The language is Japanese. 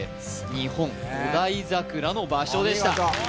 日本五大桜の場所でしたねえ